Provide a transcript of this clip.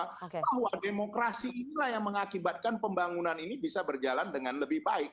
bahwa demokrasi inilah yang mengakibatkan pembangunan ini bisa berjalan dengan lebih baik